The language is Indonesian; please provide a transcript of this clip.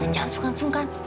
jangan sungkan sungkan ya